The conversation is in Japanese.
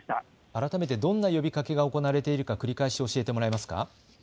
改めてどんな呼びかけが行われているか繰り返し教えてもらえますか。